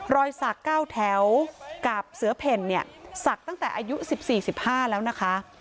รอยศักดิ์เก้าแถวกับเสือเป็นเนี่ยศักดิ์ตั้งแต่อายุสิบสี่สิบห้าแล้วนะคะ